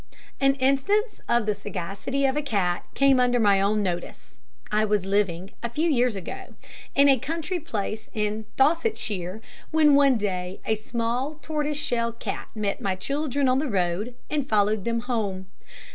An instance of the sagacity of a cat came under my own notice. I was living, a few years ago, in a country place in Dorsetshire, when one day a small tortoise shell cat met my children on the road, and followed them home.